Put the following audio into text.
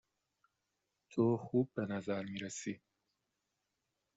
تو خوب به نظر می رسی.